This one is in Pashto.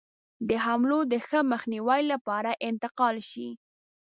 د حملو د ښه مخنیوي لپاره انتقال شي.